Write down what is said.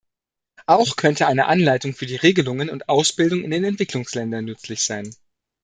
Auch könnte eine Anleitung für die Regelungen und Ausbildung in den Entwicklungsländern nützlich sein.